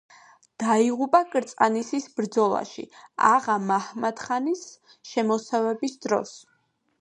დაიღუპა კრწანისის ბრძოლაში, აღა-მაჰმად-ხანის შემოსევის დროს.